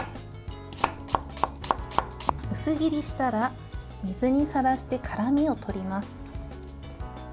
薄切りしたら、水にさらして辛みをとります。